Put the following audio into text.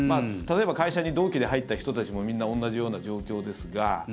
例えば会社に同期で入った人たちもみんな同じような状況ですが。